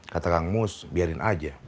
kata kang mus biarin aja